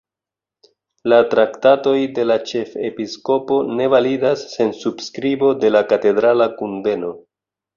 La traktatoj de la ĉefepiskopo ne validas sen subskribo de la katedrala kunveno.